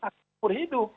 harus umur hidup